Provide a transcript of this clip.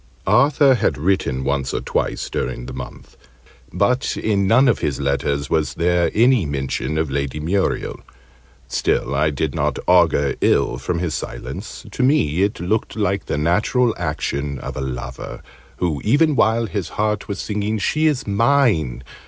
Arthur had written once or twice during the month; but in none of his letters was there any mention of Lady Muriel. Still, I did not augur ill from his silence: to me it looked like the natural action of a lover, who, even while his heart was singing "She is mine!"